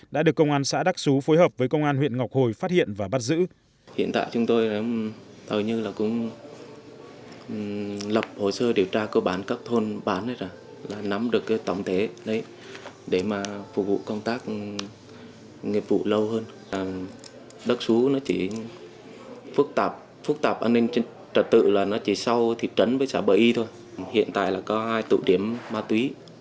đã được công an xã đắc xú phối hợp với công an huyện ngọc hồi phát hiện và bắt giữ